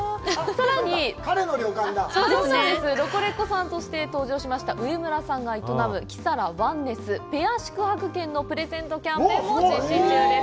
さらに、ロコレコさんとして登場した上村さんが営む季さらＯｎｅｎｅｓｓペア宿泊券のプレゼントキャンペーンも実施中です。